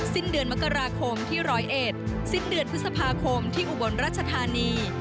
สิ้นเดือนมกราคมที่๑๐๑สิ้นเดือนพฤษภาคมที่อุบลราชธานี